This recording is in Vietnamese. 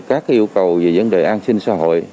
các yêu cầu về vấn đề an sinh xã hội